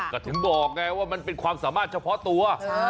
ก็ถึงบอกไงว่ามันเป็นความสามารถเฉพาะตัว